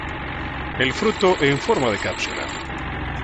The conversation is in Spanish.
El fruto en forma de cápsula.